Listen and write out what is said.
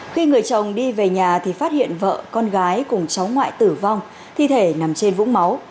khi người chồng đi về nhà thì phát hiện vợ con gái cùng cháu ngoại tử vong thi thể nằm trên vũng máu